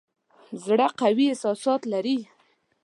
زړه قوي احساسات لري.